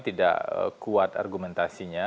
tidak kuat argumentasinya